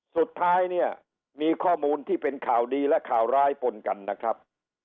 สุดท้ายเนี่ยมีข้อมูลที่เป็นข่าวดีและข่าวร้ายปนกันนะครับ